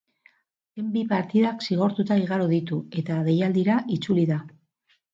Azken bi partidak zigortuta igaro ditu eta deialdira itzuli da.